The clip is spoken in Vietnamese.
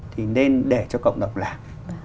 thì nên để cho cộng đồng làm